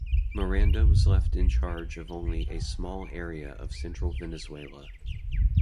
Miranda was left in charge of only a small area of central Venezuela.